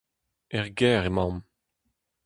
Er gêr emaomp.